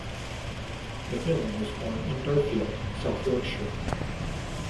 McMillan was born in Darfield, South Yorkshire.